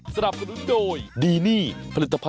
แบบที่๑ค่ะ